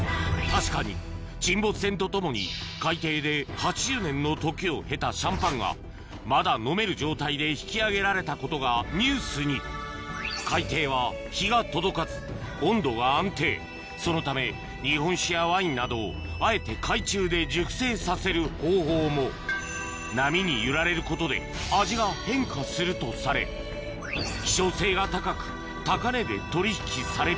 確かに沈没船とともに海底で８０年の時を経たシャンパンがまだ飲める状態で引き揚げられたことがニュースに海底は日が届かず温度が安定そのため日本酒やワインなどをあえて海中で熟成させる方法も波に揺られることで味が変化するとされねぇ。